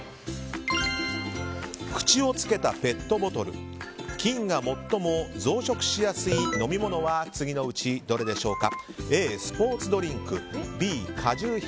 口をつけたペットボトル菌が最も増殖しやすい飲み物は次のうちどれでしょうか。